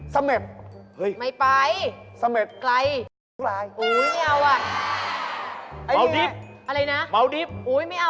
ใส่เถอะเขาดูว่าปลาลิ้งหมา